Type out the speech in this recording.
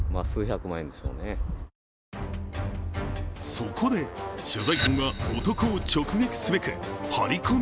そこで取材班は男を直撃すべくハリコミ